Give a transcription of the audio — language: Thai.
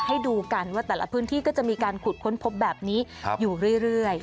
ให้ดูกันว่าแต่ละพื้นที่ก็จะมีการขุดค้นพบแบบนี้อยู่เรื่อย